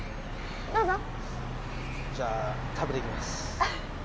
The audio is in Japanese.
どうぞじゃあ食べていきます